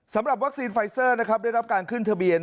สำหรับวัคซีนไฟเซอร์นะครับได้รับการขึ้นทะเบียน